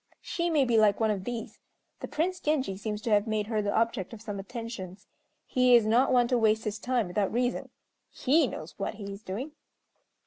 She may be like one of these. The Prince Genji seems to have made her the object of some attentions. He is not one to waste his time without reason. He knows what he is doing."